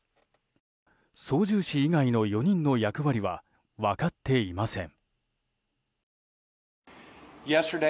操縦士以外の４人の役割は分かっていません。